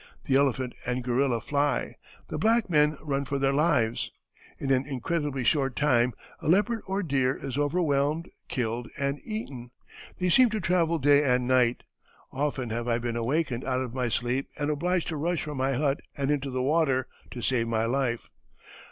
The elephant and gorilla fly, the black men run for their lives. In an incredibly short time a leopard or deer is overwhelmed, killed, and eaten. They seem to travel day and night. Often have I been awakened out of sleep and obliged to rush from my hut and into the water to save my life.